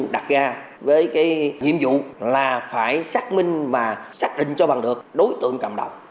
đặt ra với cái nhiệm vụ là phải xác minh và xác định cho bằng được đối tượng cầm đầu